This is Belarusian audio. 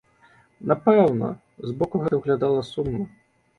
Напэўна, з боку гэта выглядала сумна.